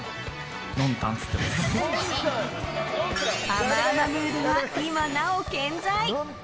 甘々ムードは今なお健在。